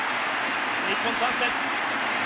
日本チャンスです。